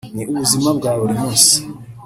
ni ubuzima bwa buri munsi